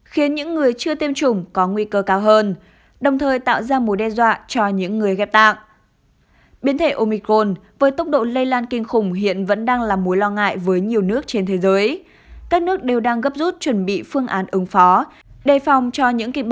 khiến những người chưa tiêm chủng có nguy cơ cao